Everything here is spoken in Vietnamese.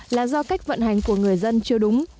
là do cách vận hành của người dân chưa đúng